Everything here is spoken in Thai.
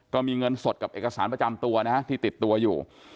ก็มีเงินสดกับเอกสารประจำตัวนะฮะที่ติดตัวอยู่